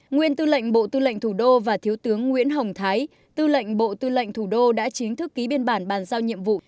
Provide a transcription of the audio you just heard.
nguyên tư lệnh bộ tư lệnh thủ đô và thiếu tướng nguyễn hồng thái tư lệnh bộ tư lệnh thủ đô đã chính thức ký biên bản bàn giao nhiệm vụ